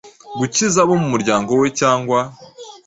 gukiza abo mu muryango we cyangwa